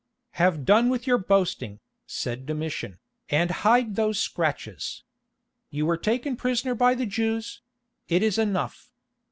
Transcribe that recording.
"Have done with your boasting," said Domitian, "and hide those scratches. You were taken prisoner by the Jews—it is enough.